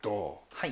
はい。